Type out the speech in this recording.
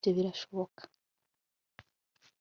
ibyo birashoboka